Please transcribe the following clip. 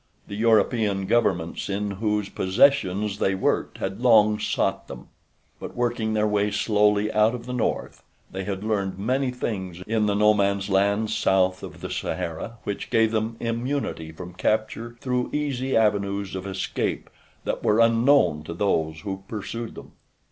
The European governments in whose possessions they worked had long sought them; but, working their way slowly out of the north they had learned many things in the no man's land south of the Sahara which gave them immunity from capture through easy avenues of escape that were unknown to those who pursued them.